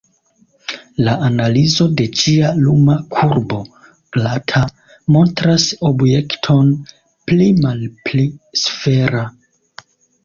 La analizo de ĝia luma kurbo, glata, montras objekton pli malpli sfera.